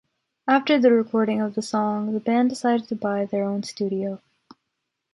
After the recording of the song the band decided to buy their own studio.